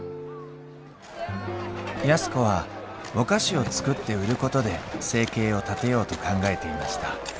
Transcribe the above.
安子はお菓子を作って売ることで生計を立てようと考えていました。